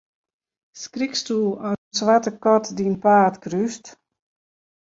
Skriksto as in swarte kat dyn paad krúst?